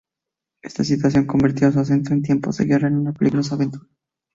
Esa situación convertía su ascenso en tiempos de guerra en una peligrosa aventura.